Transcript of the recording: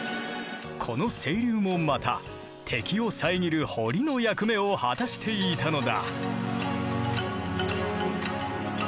この清流もまた敵を遮る堀の役目を果たしていたのだ。